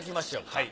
はい。